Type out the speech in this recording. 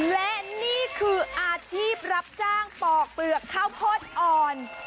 และนี่คืออาชีพรับจ้างปอกเปลือกข้าวโพดอ่อน